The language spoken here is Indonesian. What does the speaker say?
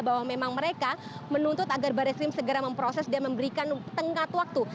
bahwa memang mereka menuntut agar baris krim segera memproses dan memberikan tengkat waktu